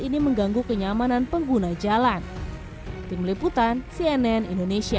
ini mengganggu kenyamanan pengguna jalan tim liputan cnn indonesia